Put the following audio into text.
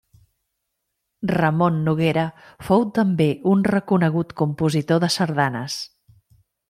Ramon Noguera fou també un reconegut compositor de sardanes.